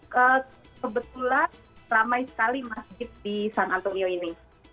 kebetulan ramai sekali masjid di san antonio ini